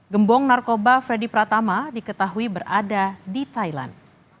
gembong narkoba freddy pratama diketahui berada di thailand